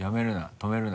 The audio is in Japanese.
「止めるな」